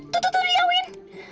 tuh tuh tuh dia win